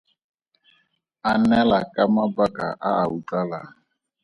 Anela ka mabaka a a utlwalang.